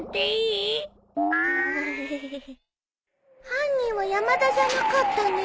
犯人は山田じゃなかったね。